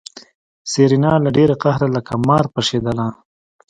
سېرېنا له ډېره قهره لکه مار پشېدله.